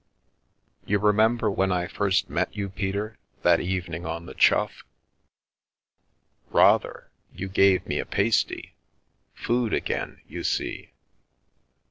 " You remember when I first met you, Peter, that evening on the Chough?" " Rather. You gave me a pasty. Food again, you see